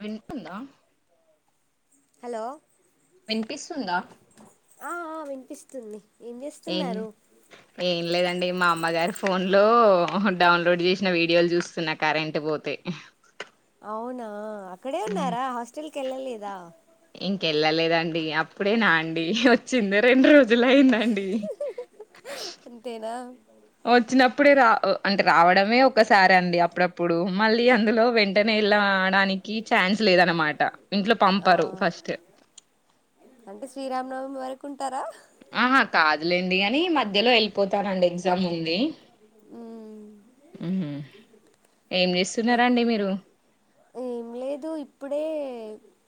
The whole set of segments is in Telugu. వింటుందా హలో వినిపిస్తుందా ఆ ఆ వినిపిస్తుంది ఏం ఏం చేస్తున్నారు ఏం లేదండి మా అమ్మగారి ఫోన్ లో డౌన్లోడ్ చేసిన వీడియోలు చూస్తున్నా కరెంట్ పోతే అవునా అక్కడే ఉన్నారా హాస్టల్ కి వెళ్ళలేదా ఇంకెళ్ళలేదండి అప్పుడే నా అండి వచ్చింది రెండు రోజు అయిందండి అంతేనా వచ్చినప్పుడే రా అంటే రావడమే ఒకసారి అండి అప్పుడప్పుడు మళ్ళీ అందులో వెంటనే వెళ్ళఆడానికి ఛాన్స్ లేదనమాట ఇంట్లో ఆ పంపరు ఫస్ట్ వరకుంటారా ఆహా కాదులేండి గాని మధ్యలో వెళ్ళిపోతానండి ఎగ్జామ్ ఉంది మ్మ్ ఉహుమ్ ఏంచేస్తున్నారండి మీరు ఏం లేదు ఇప్పుడే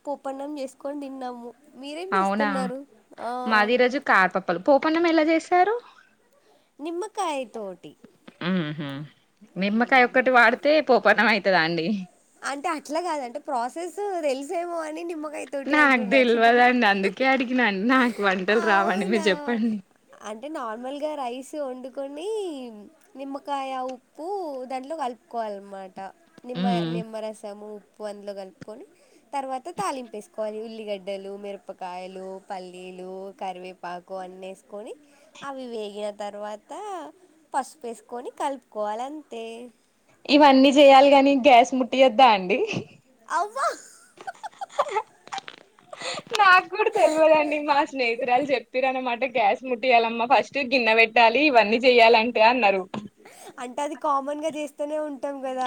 పోపన్నం చేసుకొని తిన్నాము మీరేం అవునా చేస్తున్నారు ఆ మాది ఈరోజు కాతప్పలు పోపన్నం ఎలా చేశారు నిమ్మకాయ తోటి ఉహుమ్ నిమ్మకాయ ఒక్కటి వాడితే పోపనం అయితదా అండి అంటే అట్లా కాద అంటే ప్రాసెస్ తెలిసేమో అని నిమ్మ నాకు తెల్వదండి అందుకే అడిగిన నాకు వంటలు రావండి మీరు అవునా చెప్పండి కొని నిమ్మకాయ ఉప్పు దాంట్లో కలుపుకోవాలన్నమాట నిమ్మ నిమ్మరసం ఉప్పు అందులో కలుపుకొని తర్వాత తాలింపు వేసుకోవాలి ఉల్లిగడ్డలు మిరపకాయలు పల్లీలు కరివేపాకు అన్న వేసుకొని అవి వేగిన తర్వాత పసుపేసుకొని కలుపుకోవాలి అంతే ఇవన్నీ చేయాలి ని గ్యాస్ ముట్టియద్దు అండి అవున నాకు కూడా తెలియదండి మా స్నేహితురాలు చెప్పపిదీ పత్తర అనమాట గ్యాస్ ముట్టియాలమ్మా ఫస్ట్ గిన్నె పెట్టాలి ఇవన్నీ చెయాలంటే అన్నారు అంటే అది కామన్ గా చేస్తూనే ఉంటంది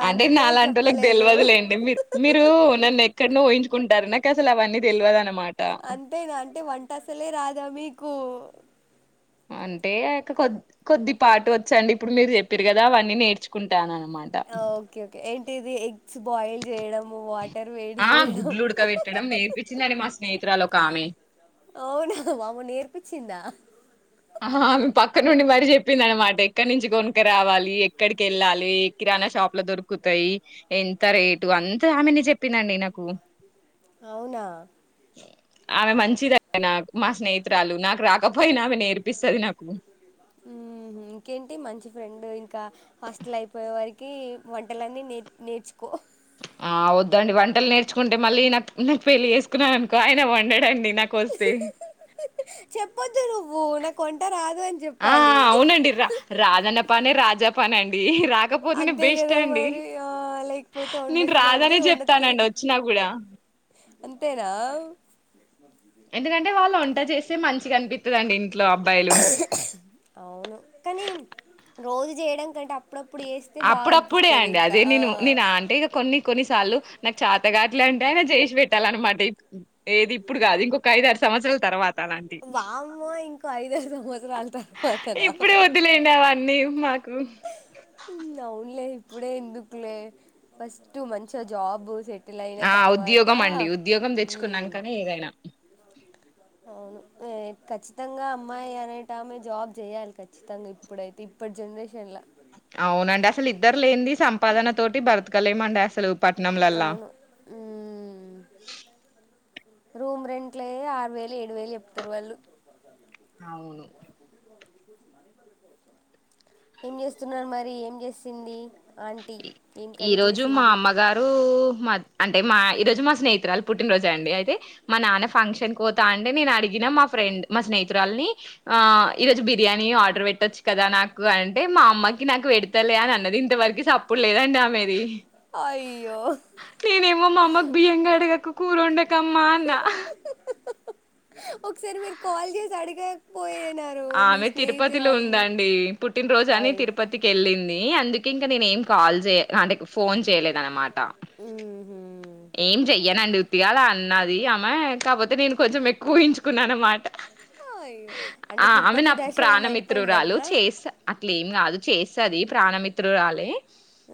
అంటే నాలాంటలకు తెెలివదులేండి మీ మీరు నన్ను ఇక్కడ పోహంచుకుంటారు నా అస అవన్నీ తెలియదనమాట అంతేనా అంటే వంట అసలే రాదా మీకు అంటే ఆయొక్క కొద కొద్ది పాటు వచ్చండి ఇప్పుడు మీరు చెప్పారు కదా అవన్నీ నేర్చుకుంటానండి ఓకే ఓకే ఏంటి ఇది ఎగ్స్ బాయిల్ చేయడంము ఆ గుడ్లు ఉడక పెట్టడం నేర్పించిందండి మా స్నేహితురాలు ఒక ఆమె అవునా మామ నేర్పించిందా ఆ పక్క నుండి మరి చెప్పింది అనమాట ఎక్కడి నుంచి కొనుక రావాలి ఎక్కడికి వెళ్ళాలి ఎక్కి నా షాపు లో దొరుకుతాయి ఎంత రేటు అంత ఆమెని చెప్పిందండి నాకు అవునా ఆమె మంచిదీ నాకు మా స్నేహితురాలు నాకు రాకపోయినా ఆమె నేర్పిస్తది నాకు ఇంకేంటి మంచి ఫ్రెండ్ ఇంకా హాస్టల్ అయిపోయే వారికి వంటలన్నీ నే నేర్చుకో ఆ వదడి వంటలు నేర్చుకుంటే మళ్ళీ నాకు నాకు పెళ్లి చేేసుకున్నా అనుకో ఆయన వండాడండి చెప్పొద్దు నువ్వు నాకు వంట రాదు అని ఆ చెప్పాలి అవునండి రా రాధన్న పానే రాజాపానేండి రాకపోతేనే అంతే బెస్ట్ కదా అండి మరి ఆ లేకపోతే నేను వండొస్తదంటే రాదనే వండొత్తది చెప్తానండి వచ్చినా కూడా అంతేనా ఎందుకంటే వాళ్ళు వంట చేస్తే మంచిగా కనిపిస్తుందిండి ఇంటి అవును కానీ రోజు చేయడం కంటే అప్పుడప్పుడు చేస్తే బాగా అప్పుడప్పుడే అనిపిస్తది అండి ఇంకా అదే ఆ నేను నేను అంటే ఇక కొన్ని కొన్నిసార్లు నాకు చేతగాట్లు అంటే చేసి పెట్టాల అన్నమాట ఏది ఇప్పుడు కాదు ఇంకొక ఐదు సంవత్సరాల సంవత్సరం తర్వాత వామ్మో ఇంకో ఐదారు సంవత్సరాల తర్వాతనా ఇప్పుడే వదిలేండి అవన్నీ ఉ అవున్లే ఇప్పుడే ఎందుకులే ఫస్ట్ మంచిగా జాబ్ సెట్ ఆ ఉద్యోగం అండి ఉద్యోగం ఉమ్, తెచ్చుకున్నాకనే ఏదైనా అవును ఖచ్చితంగా అమ్మాయి అనేట ఆమె జాబ్ చేయాలి ఖచ్చితంగా ఇప్పుడైతే ఇప్పటి జనరేషన్ లో అవునండి అసలు ఇద్దరు లేనింది సంపాదన తోటి బ్రతకలేమండి అసలు పట్నంలల్లా అవును రూమ్ రెంట్లు ఆరు వేలు ఏడు వేలు చెప్తారు వాళ్ళు అవును ఏం చేస్తున్నారు మరి ఏం చేసింది ఆంటీ ఏం కర్రీ ఈరోజు మా చేసింది అమ్మగారు మా అంటే మా ఈ రోజు మా స్నేహితురాలు పుట్టినరోజు అండి అయితే మా నాన్న ఫంక్షన్ కో పోతా అంటే నేను అడిగిన మా ఫ్రెండ్ మా స్నేహితురాలని ఆ ఈరోజు బిర్యానీ ఆర్డర్ పెట్టొచ్చు కదా నాకు అంటే మా అమ్మయి నాకు పెడతలే అని అన్నది ఇంతవరకు సప్పుడు లేదండి ఆమెది ఆయి నేనేమో మా అమ్మకు బియ్యం అడగకు కురోండకమ్మా అన్న ఒకసారి మీరు కాల్ జేసి అడగకపోయేనా ఆమె తిరుపతిలో ఉందండి పుట్టినరోజు అని ఆయ్ తిరుపతికి ఏళ్ళింది. అందుకే ఇంకా నేనేమ్ కా కాల్ జేయ్ నాడేక్ ఫోన్ చేయలేదనమాట హుహ్ ఏం జేయనండి ఉతిగాలా అన్ నాది అమె కాకపోతే నేను కొంచెం ఎక్కువ ఊహిచ్చుకున్నా అన్నమాట అయ్యో అంటే ఆ ఆమే తిరుపతి నా దర్శనం ప్రాణమిత్రురాలు అయిపోయిందటనా చేసా అట్లేమ్ ఇంగాదు చేస్తది ప్రాణమిత్రురాలే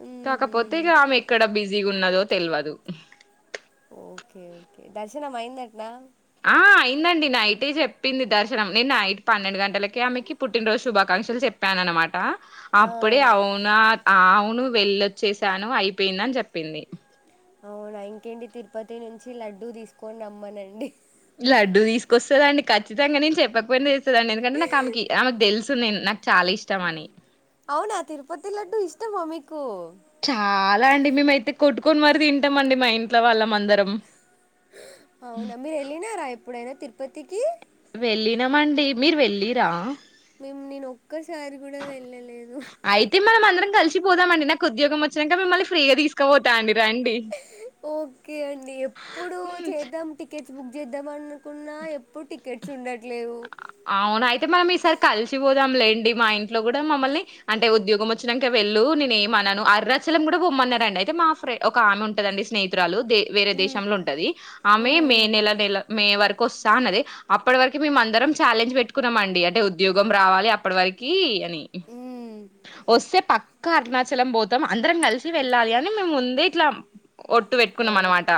ఊహు కాకపోతే ఇగా ఆమె ఎక్కడ బిజీగు ఉన్నదో తెల్వదు ఒకే ఒకే దర్శనమైందాట్నా ఆ అయిందండి నైటే జేప్పింది. దర్శనం నీన్ నైట్ పన్నెండు గంటలకే ఆమెకి పుట్టినరోజు శుభాకాంక్షలు చెప్ ప్యాన్ అనమాట ఆ అప్పుడే అవునా అవును వెళ్లొచ్చేసాను అయిపోయిందని జేప్పింది. అవునా ఇంకేంటి తిరుపతి నుంచి లడ్డూ తీసుకొని రమ్మనండి. లడ్డు తీసుకొస్తుందండి కచ్చితంగా నే చెప్పకపోయినా తెస్తాదండి. ఎందుకంటే నాకు ఆమెకి ఆమెకు దేలుస్ కునినాక్ అవునా తిరుపతి లడ్డు ఇష్టమా మీకు. చాలా అండి. మీమైతే కొట్టుకొని మరి తింటామండి. మా ఇంట్లో వాళ్ళమ్ అందరం. అవునా మీరు ఏళ్ళినారా ఎప్పుడైనా తిరుపతికి. ఏళ్ళినామండి మీరు వెళ్ళిరా మీమ్ నీను ఒక్కసారి కూడా వెళ్ళలేదు. కుద్యోగం వచ్చినాక మిమల్ని ఫ్రీగా తీసుకోపోతాండి. ఓకే అండి ఎప్పుడు చేద్దాం టికెట్. బుక్ జేద్దాం అనుకున్న ఎప్పుడు టికెట్స్ ఉండట్లేవు. అవునా అయితే మనం ఈసారి కాల్చిపొద్ధంలెండి. మా ఇంట్లో కూడా మమ్మల్ని అంటే ఉద్యోగ్. గో మొచ్చినాక వెళ్ళు నీన్ ఏమన్నాను. అరణాచలం కూడా పోమాన్నారండి. అయితే మాఫ్రె ఒక ఆమె ఉంటదండి స్నేహితురాలు దే వేరే ఉమ్, దేశంలో ఉంటది ఆమె ఉమ్, మే ఉమ్, నెల నెల మే వరకు. కొసా అన్నది అప్పటి వరకు మీమందరం. ఛాలెంజ్ పెట్టుకున్నామాండి అంటే ఉద్యోగం రావాలి అప్పటి వరకి అని. ఉమ్, కారుణాచలం పోతాం అందరం కలిసి వెళ్ళాలి అని మీముందే ఇట్లా. ఒట్టు పెట్టుకున్నాం అనమాట.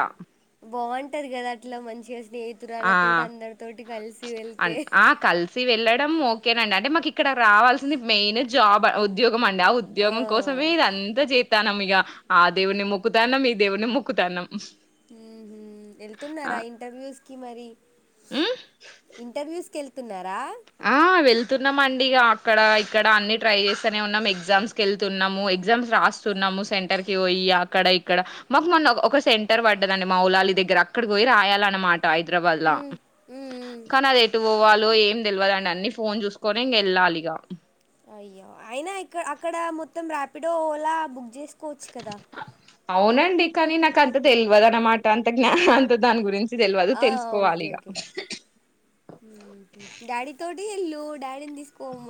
ఉంటది కదా అట్లా మంచిగా స్నేహితురాలతోటి ఆ అందరి తోటి కలిసి వెళ్తే. కేనండి అంటే మాకు ఇక్కడ రావాల్సింది మెయిన్ జాబ్ ఉద్యోగ్ గుమండా ఆ, ఉద్యోగం కోసమే ఇదంతా జేత్ ధనము ఇగా ఆ దేవుని మొకుతానం ఈ దేవుని మొకుతానం. హుహూ ఏళ్తున్నారా ఇంటర్వ్యూస్ కి మరి. ఉమ్ ఇంటర్వ్యూస్క్ వెళ్తున్నారా. ఆ వెళ్తున్నామండి. ఇగా అక్కడ ఇక్కడ అన్ని ట్రై చేస్తేనే ఉన్నాం ఎగ్జామ్స్ ఏళ్తునామండి ఎగ్జామ్స్ రాస్తున్నాము. సెంటర్ కి పోయి అక్కడ ఇక్కడ మాకు మొన్న ఒక సెంటర్ పడ్డదండి. మవ్ లాలి దగ్గర అక్కడి పోయి రాయాలన్నమాట హైద్రావాద్ లా ఉమ్, ఉమ్, ఉమ్. కానీ అది ఎటు పోవాలో ఏం. తెల్వదండి అన్ని ఫోన్ చూసుకొనే ఇంగా ఏళ్ళాలి ఇగా. అయ్యో అయినా ఇక్క అక్కడ మొత్తం ర్యాపిడో ఓలా బుక్ చేసుకోవచ్చు కదా. అవునండి. కానీ నాకు అంత తెల్వదు అన్నమాట అంత జ్ఞా అంత దాని గురించి. తెల్వదు ఆ తెలుసుకోవాలి ఒకే ఇగ ఒకే డాడీ తోట్ ఏహేలు డాడీన్ దిస్కోమ్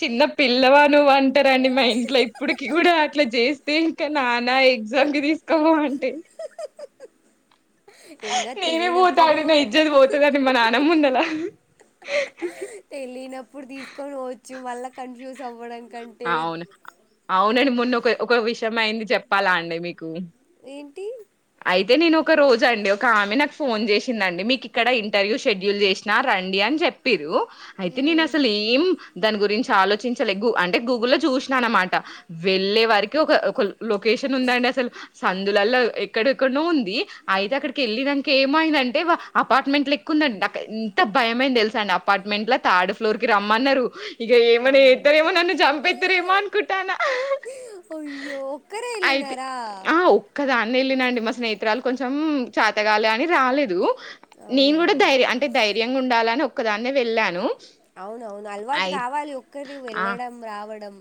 చిన్న పిల్లవా నువన్ అంటారండి మా ఇంట్లో ఇప్పడుకి కూడా అట్లా జేస్. దీనకే నాన్న ఎగ్జామ్ కి తీసుకోవో అంటే. ఇంకా నీనే తెలియనప్పుడు పోతాడినా ఇజత్ పోతదాని మా నాన్న ముందలా. తెలియనప్పుడు తీసుకొని పోవచ్చు మళ్ళా కన్ఫ్యూజ్ అవడం అవును అవునండి మొన్న ఒక ఒక విషయం అయింది చెప్పాలా అండి మీకు ఏంటి అయితే నేను ఒక రోజు అండి ఒక ఆమె నాకు ఫోన్ చేసింది అండి మీకు ఇక్కడ ఇంటర్వ్యూ షెడ్యూల్ చేసినా రండి అని చెప్పిరు అయితే నేను మ్మ్. అసలు ఏం దాని గురించి ఆలోచించలే అంటే గూగుల్లో లో చూసినామ్ అనమాట వెళ్ళే వారికి ఒక లొకేషన్ ఉందండి అసలు సందులలో ఎక్కడెక్కడనో ఉంది అయితే అక్కడికి వెళ్ళాక ఏమైందంటే అపార్ట్మెంట్ ఎక్కుందండి అక్కడ ఎంత భయమైంది తెలుస అండి అపార్ట్మెంట్ల థర్డ్ ఫ్లోర్ కి రమ్మన్నారు ఇగ ఏమని వామ్మో చేతారేమో నన్ను జంప్ అయితారేమో అన్కుటానా అయ్యో ఒక్కరే వెళ్ళనారా అ వెళ్ళినండి మా స్నేహితురాలు కొంచెం చేతగాలే అని రాలేదు నేను అవునా కూడా ధైర్యం అంటే ధైర్యంగా ఉండాలని ఒక్కదాన్నే వెళ్ళాను అవునవును అలవాటు అయి కావాలి ఒక్కరి ఆ వెళ్ళడం రావడం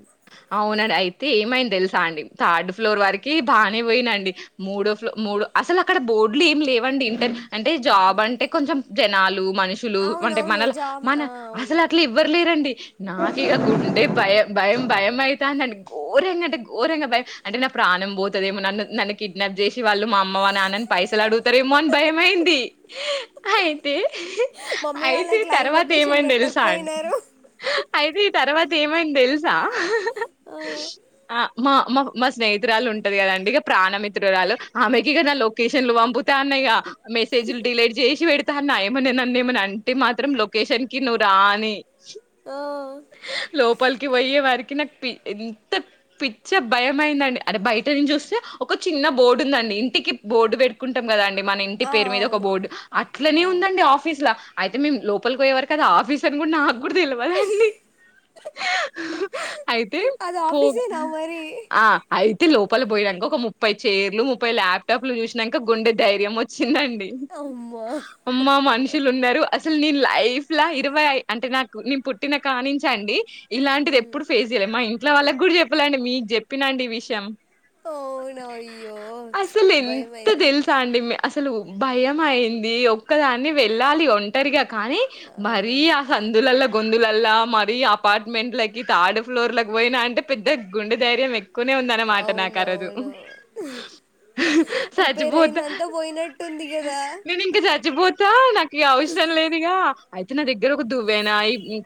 అవునండి అయితే ఏమైంది తెలుసా అండి థర్డ్ ఫ్లోర్ వరకి బాగానే పోయినండి మూడో ఫ్లో మూడో అసలు అక్కడ బోర్డులు ఏమి లేవండి ఇంటర్ అంటే జాబ్ అంటే కొంచెం జనాలు మనుషులు అంటే అవునవును మనలా జాబ్ మన ఆ అవును అసలు అట్లా ఎవ్వరులేరండి నాకిగ గుండె భయం భయం భయం అయితాందండి ఘోరంగా అంటే ఘోరంగా భయం అంటే నా ప్రాణం పోతదేమో నన్ను నన్ను కిడ్నాప్ చేసి వ వాళ్ళు మా అమ్మ వా నాన్నని పైసలు అడుగుతారేమో అని భయమయింది అయితే మమ్మీ అయితే వాళ్ళకి లైవ్ తర్వాత లొకేషన్ ఏమనయింది తెలుసా అండి పెట్టకపోయినారు అయితే ఈ తర్వాత ఏమైంది తెలుసా ఆ ఆ మా మా మా స్నేహితురాలు ఉంటది కదండి ఇక ప్రాణమిత్రురాలు ఆమెకి ఇగ నా లొకేషన్లు పంపుతా ఉన్నాయి ఇగ మెసేజ్లు డిలీట్ చేసి పెడతాన్నాయమని నన్నేమన్నా అంటే మాత్రం లొకేషన్కీ నువ్వు రా అని ఆ లోపల్కి వొయె వరికి నా ఎంత పిచ్చే భయం అయిందండి అదే బయట నుంచి వస్తే ఒక చిన్న బోర్డు ఉందండి ఇంటికి బోర్డు పెట్టుకుంటాం కదా అండి మన ఇంటి ఆ పేరు మీద ఒక బోర్డు అవునవును అట్లనే ఆ ఉందండి ఆఫీస్ ల అయితే మేము లోపలికి పోయేవారు కదా ఆఫీస్ అని కూడా నాకు కూడా తెలివదండి అయితే అది పోగ్ ఆఫీసేనా మరి ఆ అయితే లోపల పోయినంక ఒక ముప్ప్ ముప్పైచైర్లు ముప్పై ల్యాప్టాప్లు చూసినాక గుండెధైర్యం వచ్చి వచ్చిందండి అమ్మా అమ్మా మనుషులు ఉన్నారు అస్ అసలు నీ లైఫ్ లా ఇరవై అంటే నాకు నే పుట్టిన కానించండి ఇలాంటిది ఎప్పుడు ఫేస్ మా ఇంట్లో వాళ్ళకి కూడా చెప్పలేఅండి మీకు చెప్పినాండి ఈ విషయం అవునాయ్యో అసలు ఎంత భయంమైంద తెలుసా అండి అసలు భయం అయింది ఒక్కదాన్ని వెళ్ళాలి ఒంటరిగా కానీ ఆ మరీ అసలు సందులల గొందులలా మరి అపార్ట్మెంట్లకి తాడు ఫ్లోర్ల కి పోయినా అంటే పెద్ద గుండె ధైర్యం ఎక్కువనే ఉంద అనమాట నాకు అ రోజు అవునవును ప్రిపేర్ చచ్చిపోతా అయిందంతా పోయినట్టుంది కదా నేను ఇంకా చచ్చిపోతా నాకీ అవసరం లేదుగా అయితే నా దగ్గర ఒక దువ్వేనా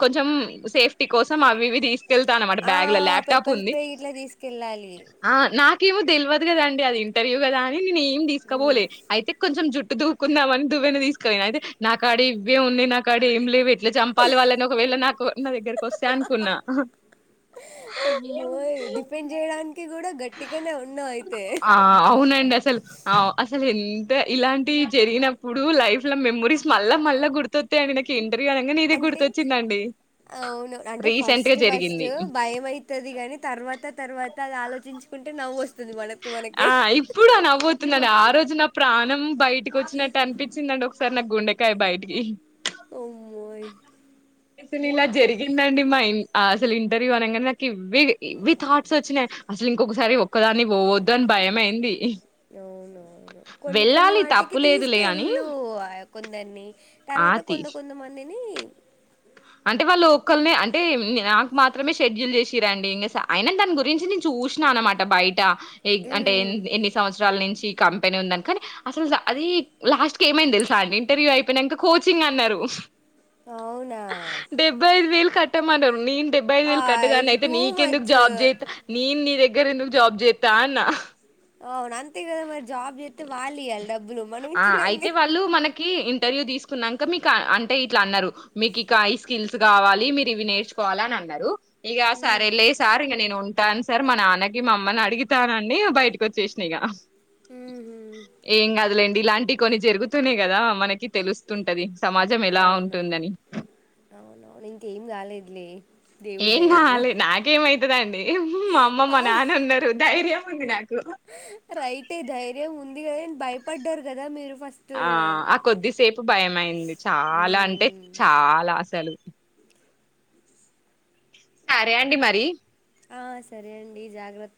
కొంచెం సేఫ్టీ కోసం అవి ఇవి తీసుక్ కెళ్తా అన్నమాట ఆ బ్యాగ్ లో ల్యాప్టాప్ పెప్పర్ ఉంది స్ప్రే ఇట్లా తీసుకెళ్ళాలి ఆ నా ఏమో తెలివదు కద అండి అది ఇంటర్వ్యూ కదా అని నేను ఏం తీసుకోపోలే అయితే కొంచెం జుట్ దువుకుందాంని దువ్వెన తీసుకపొయినా అయితే నా కాడ ఇవ్వే ఉన్నాయి నా కాడ ఏమి లేవు ఎట్లా చంపాల వాళ్ళని ఒకవెళ ఇలా నాకు నా దగ్గరకి వస్తయి అనుకున్నా అమ్మోయ్ డిఫెండ్ చేయడానికి కూడా గట్టిగానే ఉన్నావు అయితే ఆ అవునయ్ అసల్ అసలు ఎంత ఇలాంటి జరిగినప్పుడు లైఫ్ లో మెమోరీస్ మళ్ళా మళ్ళా గుర్తు గుర్తొస్తాయి అండి నాకు ఇంటర్వూ అనగా నాకు ఇదే అంటే గుర్తొచ్చిందండి అవును అంటే రీసెంట్ గా ఫస్ట్ జరిగి ఫస్ట్ భయం అయితది కాని తర్వాత తర్వాత అది ఆలోచించుకుంటే నవ్వు వస్తుంది మనకు ఆ ఇప్పుడు అ నవోతున్న ఆ రోజు నా ప్రాణం బయట్ కొచ్చినట్టు అనిపించిందండి ఒకసారి నాకు గుండెకాయ బయటికి అమ్మోయ్ అసలు ఇలా జరిగిందండి మా ఇ అసలు ఇంటర్వ్యూ అనగానే నాకు ఇ ఇవి థాట్స్ వచ్చినాయి అసలు ఇంకొకసారి ఒక్కదాని పోవద్దు అని భయం అయింది అవునవును కొన్ని కొన్ని వాటికి తప్పులేదులే అని తీసుకెళ్ళు కొందరిన్ని తర్వాత ఆతి కొంత కొంతమందిని అంటే వాళ్ళ ఒక్కలనే అంటే నాకు మాత్రమే షెడ్యూల్ చేసిరండి ఇంగా సా అయిన దాని గురించి నేను చు చూసినా అనమాట బయట ఎ అంటే మ్మ్ ఎని ఎన్ని సంవత్సరాల నుంచి కంపెనీ ఉందని కాని అసలు అది లాస్ట్ కి ఏమైంది తెలుసా అండి ఇంటర్వ్యూ అయిపోయినంకా కోచింగ్ అన్నారు. అవునా డెబ్బై ఐదు వేలు కట్టమన్నారు నేను డెబ్బై ఐదు ఆ వేలు కట్టేదాన్ని ఇది అయితే టూ నీకెందుకు మచ్ జాబ్ చేత్త నేను నీ దగ్గర ఎందుకు జాబ్ చేత్తా అన్న ఆహ్ అవునా, అంతే కదా మరి జాబ్ చేత్తే వాళ్ళు ఇయ్యాలి డబ్ ఆహ్ అయితే వాళ్ళు మనకు కీ ఇంటర్వ్యూ తీసుకునంకా మీకు అంటే ఇట్లా అన్నారు మీకు ఇక ఈ స్కిల్స్ కావాలి మీరు ఇవి నేర్చు కోవాల అని అన్నారు ఇక మ్మ్ సరేలే సార్ ఇంగా నేను ఉన్ ఉంటాన్ సార్ మా నాన్నకి మా అమ్మని అడిగుతానని బయటకి వచ్చేసినా ఇగా మ్మ్ ఏం కదులేండి ఇలాంటివి కొన్ని జరుగుతునే కదా మనకి తెలుస్తుంటది సమాజం ఎలా అవును ఉంటుందని అవునవును ఇంకేం కాలేదు లే ఏం కావాలి నాకేమైతదండి మా అమ్మ మా ఆ నాన్న ఉన్నారు ధైర్యం ఉంది నాకు రైటే ధైర్యం ఉంది కద అని భయపడ్డారు కదా మీరు ఫస్ట్ ఆహ్ ఆ కొద్దిసేపు భయం అయింది చాలా అంటే మ్మ్ చాలా అసలు సరే అండి మరి ఆ సరే అండి జాగ్రత్